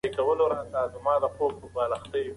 سپین سرې په لښتې سخته غوسه شوه.